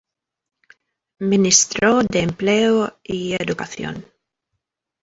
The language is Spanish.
Ministro de Empleo y Educación.